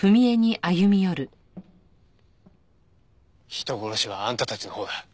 人殺しはあんたたちのほうだ。